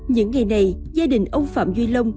những ngày này gia đình ông phạm duy lông